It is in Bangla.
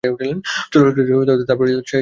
চলচ্চিত্রটি ছিল তার পরিচালিত শেষ চলচ্চিত্র।